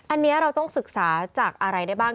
อันนี้เราต้องศึกษาจากอะไรได้บ้าง